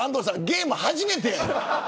ゲーム初めてや。